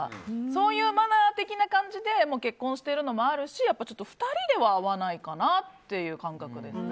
そういうマナー的な感じで結婚してるのもあるし、２人では会わないかなという感覚です。